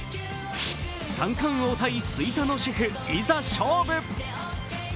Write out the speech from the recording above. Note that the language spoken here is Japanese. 三冠王×吹田の主婦、いざ勝負。